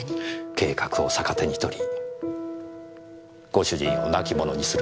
計画を逆手に取りご主人を亡き者にするためです。